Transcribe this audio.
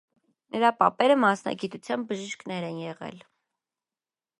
Նրա պապերը մասնագիտությամբ բժիշկներ են եղել։